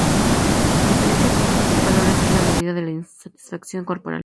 La diferencia entre estos dos valores es la medida de la insatisfacción corporal.